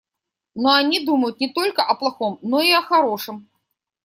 Но они думают не только о плохом, но и о хорошем.